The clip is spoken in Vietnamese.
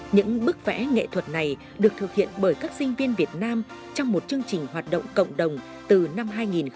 những bức vẽ nghệ thuật này được thực hiện bởi các sinh viên việt nam trong một chương trình hoạt động cộng đồng từ năm hai nghìn một mươi